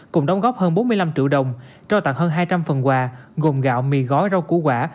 cùng đóng góp hơn bốn mươi năm triệu đồng trao tặng hơn hai trăm linh phần quà gồm gạo mì gói rau củ quả